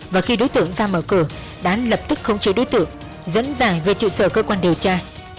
và khi đối tượng ra mở cửa đán lập tức không chỉ đối tượng dẫn dài về trụ sở cơ quan điều tra